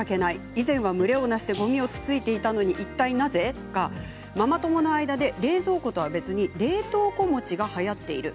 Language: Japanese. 以前群れをなしてごみをつついてたのにいったいなぜとかママ友の間で冷蔵庫とは別に冷凍庫持ちが、はやっている。